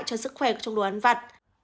cho sức khỏe trong đồ ăn vặt